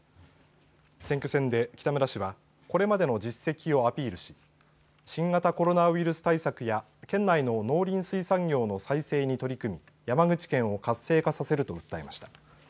選挙戦で北村氏はこれまでの実績をアピールし新型コロナウイルス対策や県内の農林水産業の再生に取り組み、山口県を活性化させると訴えました。